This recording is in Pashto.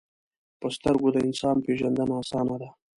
په سترګو د انسان پیژندنه آسانه ده